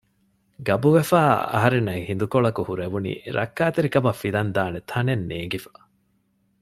ގަބުވެފައި އަހަންނަށް ހިނދުކޮޅަކު ހުރެވުނީ ރައްކާތެރި ކަމަށް ފިލަން ދާނެ ތަނެއް ނޭނގިފަ